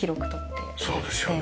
そうですよね。